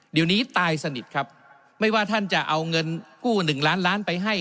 เดี๋ยวนี้ตายสนิทครับไม่ว่าท่านจะเอาเงินกู้หนึ่งล้านล้านไปให้